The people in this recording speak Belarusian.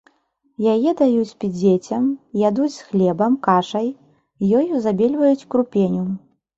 Яе даюць піць дзецям, ядуць з хлебам, кашай, ёю забельваюць крупеню.